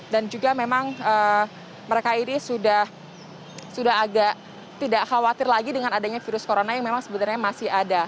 dan juga memang mereka ini sudah agak tidak khawatir lagi dengan adanya virus corona yang memang sebenarnya masih ada